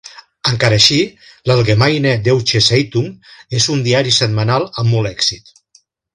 Encara així, l'"Allgemeine Deutsche Zeitung" és un diari setmanal amb molt èxit.